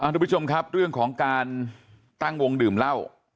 ทุกผู้ชมครับเรื่องของการตั้งวงดื่มเหล้า